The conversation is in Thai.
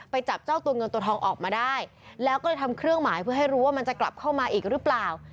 จับเจ้าตัวเงินตัวทองออกมาได้แล้วก็เลยทำเครื่องหมายเพื่อให้รู้ว่ามันจะกลับเข้ามาอีกหรือเปล่า